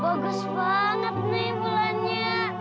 bagus banget nih bulannya